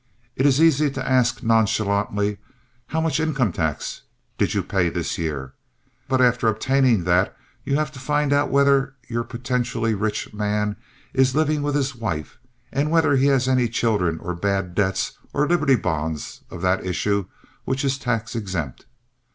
It is easy to ask nonchalantly, "How much income tax did you pay this year?" But after obtaining that you have to find out whether your potentially rich man is living with his wife and whether he has any children or bad debts or Liberty bonds of that issue which is tax exempt.